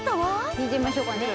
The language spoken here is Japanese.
抜いてみましょうかね。